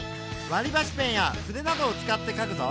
わりばしペンや筆などを使ってかくぞ。